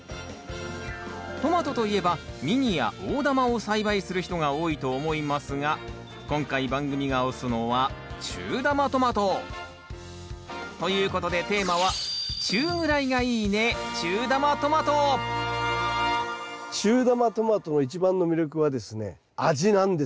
トマトといえばミニや大玉を栽培する人が多いと思いますが今回番組が推すのは中玉トマト。ということでテーマは中玉トマトの一番の魅力はですね味なんですよ味。